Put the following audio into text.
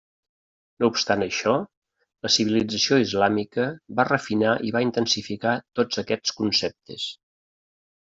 No obstant això, la civilització islàmica va refinar i va intensificar tots aquests conceptes.